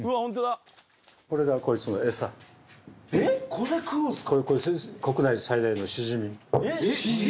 これ食うんすか？